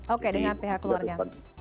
oke dengan pihak keluarga